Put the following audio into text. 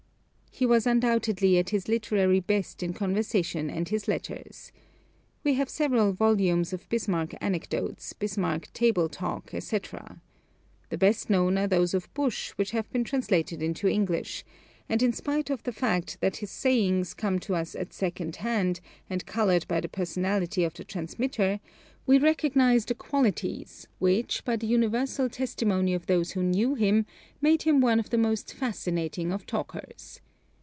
He was undoubtedly at his literary best in conversation and in his letters. We have several volumes of Bismarck anecdotes, Bismarck table talk, etc. The best known are those of Busch, which have been translated into English and in spite of the fact that his sayings come to us at second hand and colored by the personality of the transmitter, we recognize the qualities which, by the universal testimony of those who knew him, made him one of the most fascinating of talkers.